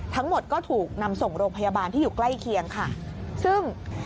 ทั้งหมดก็ถูกนำส่งโรงพยาบาลที่อยู่ใกล้เคียงค่ะซึ่ง